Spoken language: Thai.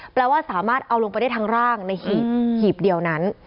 แปลว่าสามารถเอาลงไปได้ทั้งร่างในหีบหีบเดียวนั้น